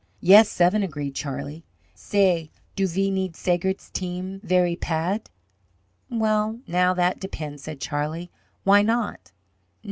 "Yes, seven," agreed Charlie. "Say, do ve need Seigert's team very pad?" "Well, now that depends," said Charlie. "Why not?"